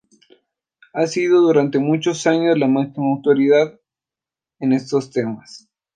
Ha sido durante muchos años la máxima autoridad en estos temas.